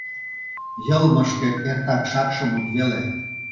— Йылмыштет эртак шакше мут веле.